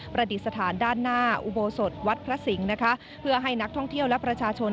ประดิษฐานด้านหน้าอุโบสถวัดพระสิงห์นะคะเพื่อให้นักท่องเที่ยวและประชาชน